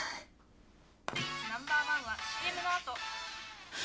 ナンバーワンはＣＭの後。